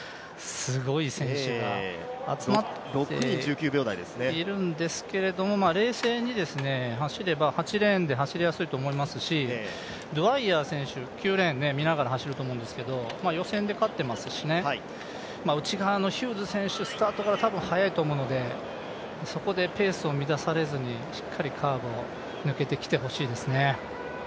すごい選手が集まっているんですけれども、冷静に走れば、８レーンで走りやすいと思いますしドウァイヤー選手、見ながら走れると思いますし予選で勝ってますしね、内側のヒューズ選手、スタートからたぶん速いと思うので、そこでペースを乱されずにしっかりカーブを抜けてきてほしいですね。